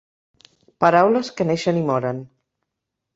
Paraules que neixen i moren.